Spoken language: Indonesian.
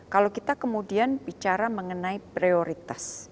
kalau kita kemudian bicara mengenai prioritas